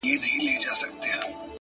بریا له تمرکز سره مل وي!